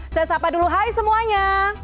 saya sapa dulu hai semuanya